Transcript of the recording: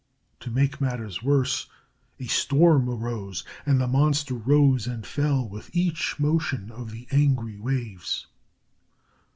To make matters worse, a storm arose, and the monster rose and fell with each motion of the angry waves.